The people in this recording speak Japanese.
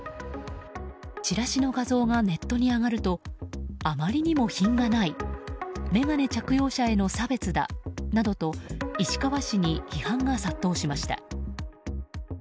チラシの画像がネットに上がるとあまりにも品がない眼鏡着用者への差別だなどと石川氏に批判が殺到しました。